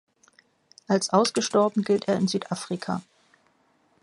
Als ausgestorben gilt er in Südafrika.